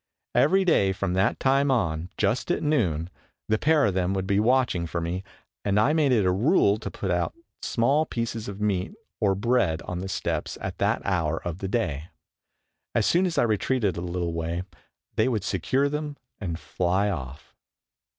Everyday, from that time on, just at noon, the pair of them would be watching for me, and I made it a rule to put some small pieces of meat or bread on the steps at that hour of the day. As soon as I retreated a little way they would secure them and fly off.